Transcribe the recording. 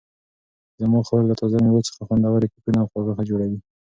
زما خور له تازه مېوو څخه خوندورې کیکونه او خواږه جوړوي.